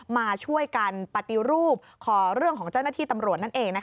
มาช่วยกันปฏิรูปขอเรื่องของเจ้าหน้าที่ตำรวจนั่นเอง